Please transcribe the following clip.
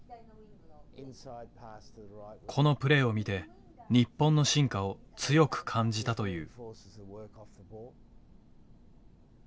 このプレーを見て日本の進化を強く感じたという。